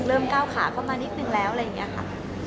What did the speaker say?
ก้าวขาเข้ามานิดนึงแล้วอะไรอย่างนี้ค่ะ